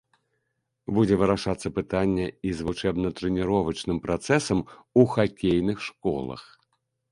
Будзе вырашацца пытанне і з вучэбна-трэніровачным працэсам у хакейных школах.